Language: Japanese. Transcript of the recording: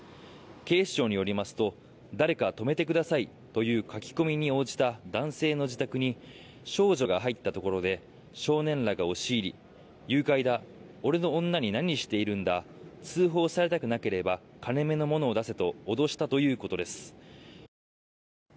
警視庁によりますと誰か泊めてくださいという書き込みに応じた男性の自宅に少女が入ったところで少年らが押し入り誘拐だ俺の女に何しているんだ通報されたくなければ金目の物を出せと脅したということです。